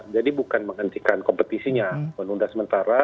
jadi bukan menghentikan kompetisinya menunda sementara